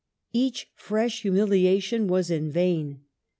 Each fresh humilia tion was in vain.